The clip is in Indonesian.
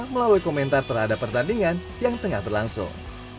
melalui komentar terhadap pertandingan yang tengah berlangsung